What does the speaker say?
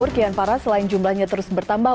kian parah selain jumlahnya terus bertambah